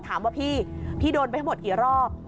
ถามว่าพี่พี่โดนไปทั้งหมดกี่รอบ